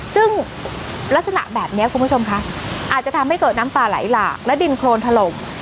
ซึ่งลักษณะแบบนี้คุณผู้ชมคะอาจจะทำให้เกิดน้ำป่าไหลหลากและดินโครนถล่ม